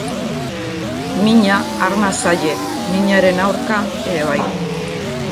Mina arma zaie, minaren aurka ere bai.